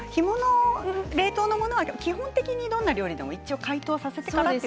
冷凍のものは基本的にどんな料理でも一度解凍してから。